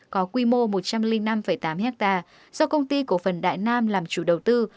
có quy mô một trăm linh năm tám hectare do công ty cổ phần đại nam làm chủ đầu tư